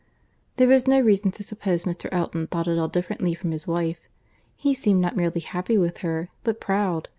There was no reason to suppose Mr. Elton thought at all differently from his wife. He seemed not merely happy with her, but proud.